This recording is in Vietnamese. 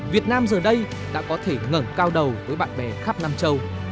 việt nam giờ đây đã có thể ngẩn cao đầu với bạn bè khắp nam châu